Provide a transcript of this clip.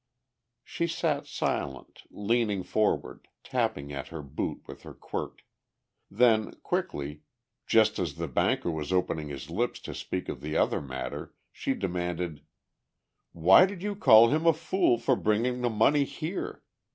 She sat silent, leaning forward, tapping at her boot with her quirt. Then quickly, just as the banker was opening his lips to speak of the other matter, she demanded: "Why did you call him a fool for bringing the money here?